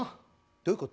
どういうこと？